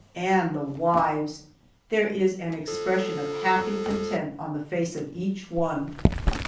And the wives! there is an expression of happy content on the face of each one.